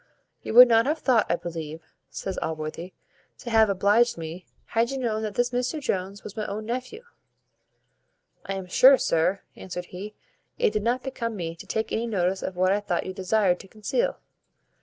"You would not have thought, I believe," says Allworthy, "to have obliged me, had you known that this Mr Jones was my own nephew." "I am sure, sir," answered he, "it did not become me to take any notice of what I thought you desired to conceal."